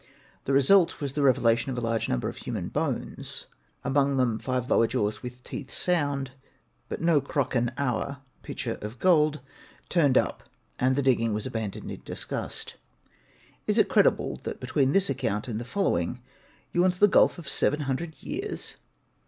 The result was the revelation of a large number of human bones, among them five lower jaws with the teeth sound; but no crochan aur (pitcher of gold) turned up, and the digging was abandoned in disgust. Is it credible that between this account and the following yawns the gulf of seven hundred years?